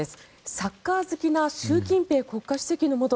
サッカー好きな習近平国家主席のもと